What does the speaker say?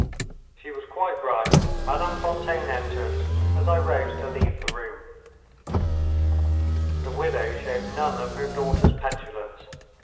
She was quite right. Madame Fontaine entered, as I rose to leave the room. The widow showed none of her daughter's petulance.